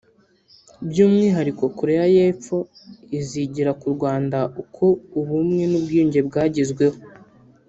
by’umwihariko Koreya y’Epfo izigira k’u Rwanda uko ubumwe n’ubwiyunge bwagezweho